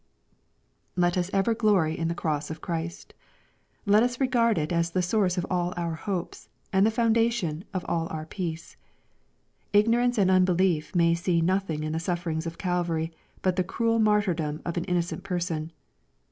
Let us ever glory in the cross of Christ. Let us regard it as the source of all our hopes, and the foundation of all our peace. Ignorance and unbelief may see nothing in the sufferings of Calvary but the cruel martyrdom of an innocent person.